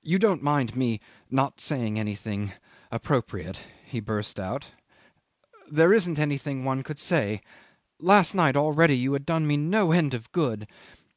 "You don't mind me not saying anything appropriate," he burst out. "There isn't anything one could say. Last night already you had done me no end of good.